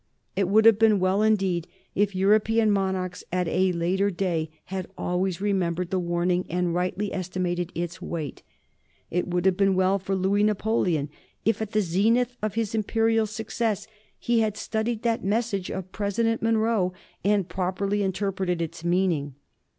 It would have been well indeed if European monarchs at a later day had always remembered the warning and rightly estimated its weight. It would have been well for Louis Napoleon if at the zenith of his imperial success he had studied that message of President Monroe and properly interpreted its meaning.